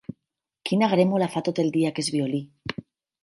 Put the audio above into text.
Quina grémola fa tot el dia aquest violí.